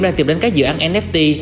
đang tìm đến các dự án nft